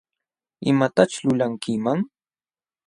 ¿Imataćh lulankiman?